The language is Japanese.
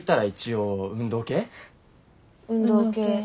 運動系。